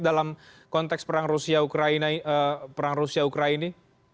dalam konteks perang rusia ukraina perang rusia ukraina